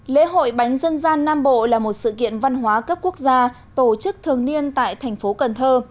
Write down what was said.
lễ hội bánh dân gian nam bộ là một sự kiện văn hóa cấp quốc gia tổ chức thường niên tại thành phố cần thơ